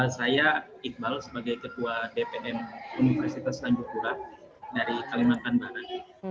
saya iqbal sebagai ketua dpm universitas tanjung pura dari kalimantan barat